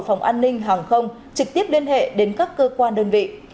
phòng an ninh hàng không trực tiếp liên hệ đến các cơ quan đơn vị